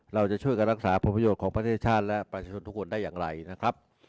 เราจะช่วยกันรักษาผลประโยชน์ของประเทศชาติและประชาชนทุกคนได้อย่างไรนะครับ